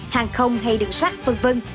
hàng không hay đường sắt v v